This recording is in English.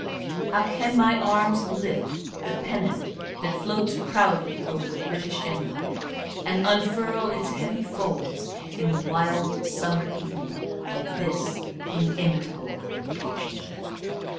How can my arms lift the pennant that floats proudly over the British Empire, and unfurl its heavy folds in the wild summer evening of this inimitable occasion